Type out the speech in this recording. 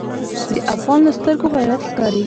د افغان له سترګو غیرت ښکاري.